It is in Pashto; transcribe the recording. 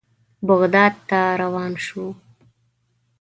بغداد ته روان شوو.